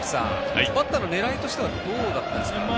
バッターの狙いとしてはどうだったですか？